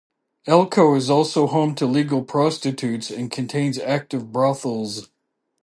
Elko is also home to legal prostitutes and contains active brothels.